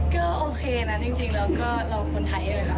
ก็โอเคนะจริงแล้วก็เราคนไทยเลยค่ะ